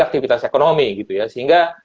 aktivitas ekonomi gitu ya sehingga